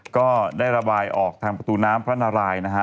ก็ได้ระบายออกทางประตูน้ำพระนารายนะฮะ